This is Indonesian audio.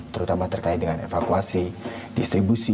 terutama terkait dengan evakuasi distribusi